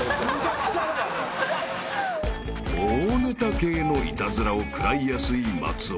［大ネタ系のイタズラを食らいやすい松尾］